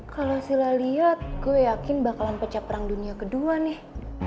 kalau sila lihat gue yakin bakalan pecah perang dunia kedua nih